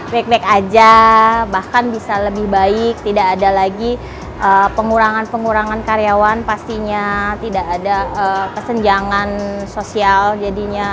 baik baik aja bahkan bisa lebih baik tidak ada lagi pengurangan pengurangan karyawan pastinya tidak ada kesenjangan sosial jadinya